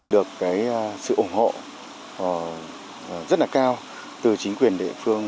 được sự ủng hộ rất là cao từ chính quyền địa phương